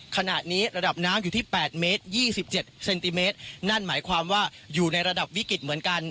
ขณะนี้ระดับน้ำอยู่ที่๘เมตร๒๗เซนติเมตรนั่นหมายความว่าอยู่ในระดับวิกฤตเหมือนกัน